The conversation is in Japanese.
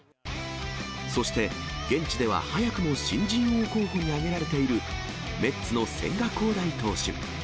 そして現地では早くも新人王候補に挙げられている、メッツの千賀滉大投手。